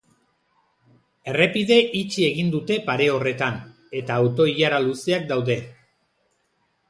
Errepide itxi egin dute pare horretan, eta auto-ilara luzeak daude.